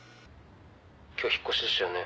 「今日引っ越しでしたよね？」